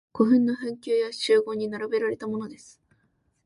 古墳の墳丘や周濠に並べられたものです。